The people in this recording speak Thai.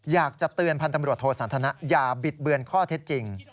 อยากจะเตือนพันธ์ตำรวจโทสันทนะอย่าบิดเบือนข้อเท็จจริง